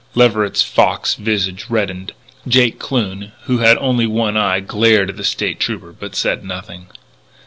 Leverett's fox visage reddened; Jake Kloon, who had only one eye, glared at the State Trooper but said nothing.